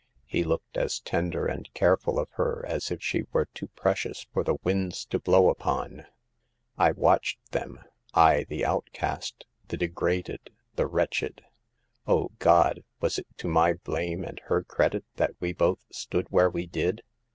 He looked as tender and careful of her as if she were too precious for the winds to blow upon. I watched them ; I, the outcast, the degraded, the wretched. O, God ! was it to my blame and her credit that we both stood where we did